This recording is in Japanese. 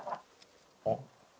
あっ。